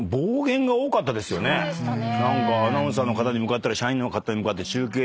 そうでしたね。